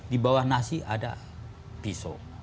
di bawah nasi ada pisau